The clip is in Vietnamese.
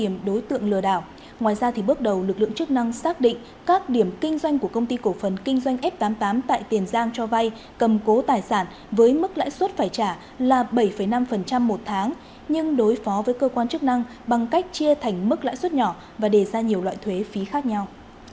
ngoài ra bước đầu lực lượng chức năng xác định các điểm kinh doanh của công ty cổ phần kinh doanh f tám mươi tám tại tiền giang cho vay cầm cố tài sản với mức lãi suất phải trả là bảy năm một tháng nhưng đối phó với cơ quan chức năng bằng cách chia thành mức lãi suất nhỏ và đề ra nhiều loại thuế phí khác nhau